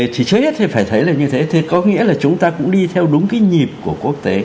thì trước hết thì phải thấy là như thế thì có nghĩa là chúng ta cũng đi theo đúng cái nhịp của quốc tế